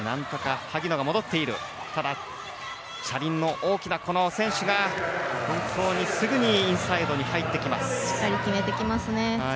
車輪の大きな選手がすぐにインサイドに入ってきます。